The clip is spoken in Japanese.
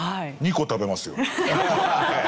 ２個食べますよ。